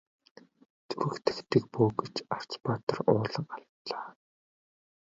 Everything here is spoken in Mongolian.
Зүрх тахидаг бөө гэж Арц баатар уулга алдлаа.